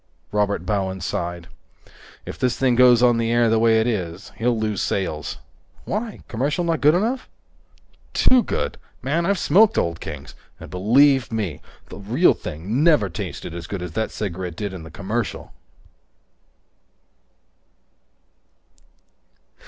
Robert Bowen sighed. "If this thing goes on the air the way it is, he'll lose sales." "Why? Commercial not good enough?" "Too good! Man, I've smoked Old Kings, and, believe me, the real thing never tasted as good as that cigarette did in the commercial!"